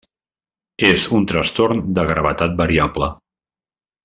És un trastorn de gravetat variable.